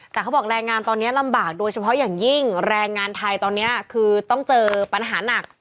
แต่เขาบอกแรงงานตอนนี้ลำบากโดยเฉพาะอย่างยิ่งแรงงานไทยตอนนี้คือต้องเจอปัญหาหนัก